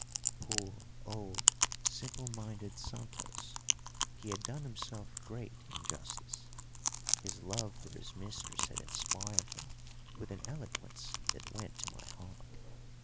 Poor old simple minded Santos, he had done himself great injustice; his love for his mistress had inspired him with an eloquence that went to my heart.